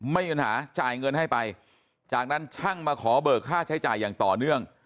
ไม่มีปัญหาจ่ายเงินให้ไปจากนั้นช่างมาขอเบิกค่าใช้จ่ายอย่างต่อเนื่อง